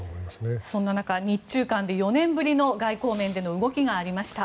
そんな中、日中間で４年ぶりの外交面での動きがありました。